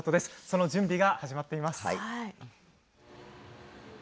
その準備が始まっています。